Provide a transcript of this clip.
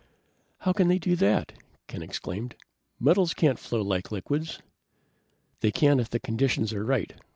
"How could they do that?" Ken exclaimed. "Metals can't flow like liquids." "They can if the conditions are right.